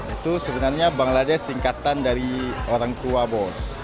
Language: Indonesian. itu sebenarnya bangladesh singkatan dari orang tua bos